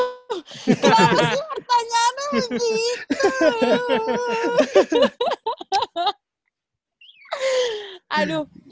kenapa sih pertanyaannya begitu